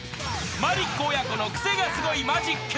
［マリック親子のクセがスゴいマジック］